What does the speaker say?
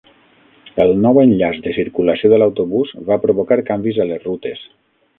El nou enllaç de circulació de l'autobús va provocar canvis a les rutes.